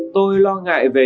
tôi lo ngại về